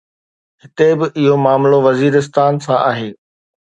هتي به اهو معاملو وزيرستان سان آهي.